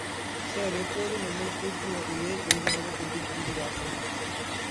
சிலர் எப்போதும் நம்மைத் தூற்றுவதையே தொழிலாகக் கொண்டு திரிகிறார்கள்.